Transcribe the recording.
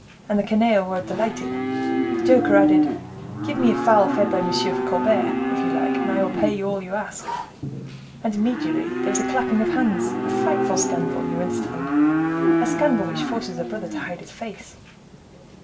and the canaille were delighted. The joker added, 'Give me a fowl fed by M. Colbert, if you like! and I will pay all you ask.' And immediately there was a clapping of hands. A frightful scandal! you understand; a scandal which forces a brother to hide his face."